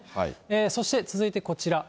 そして続いてこちら。